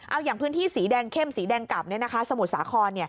เอาอย่างพื้นที่สีแดงเข้มสีแดงกลับสมุทรสาคร